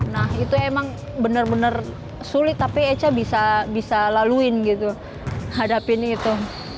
nah itu emang bener bener sulit tapi eca bisa laluin gitu hadapin itu